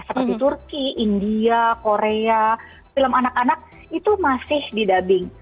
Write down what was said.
seperti turki india korea film anak anak itu masih di dubbing